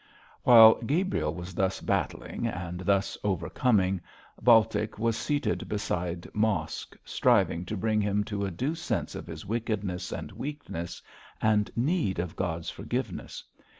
_ While Gabriel was thus battling, and thus overcoming, Baltic was seated beside Mosk, striving to bring him to a due sense of his wickedness and weakness, and need of God's forgiveness.